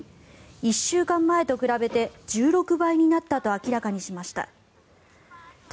１週間前と比べて１６倍になったと明らかにしました。